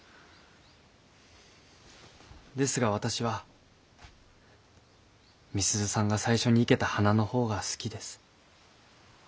ですが私は美鈴さんが最初に生けた花のほうが好きです。